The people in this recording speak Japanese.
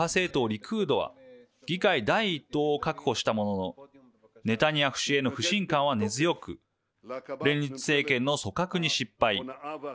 リクードは議会第１党を確保したもののネタニヤフ氏への不信感は根強く連立政権の組閣に失敗。